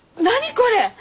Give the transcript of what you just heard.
これ！